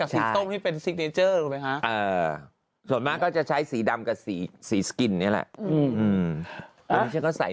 สีนี้สายนี้